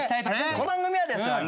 この番組はですね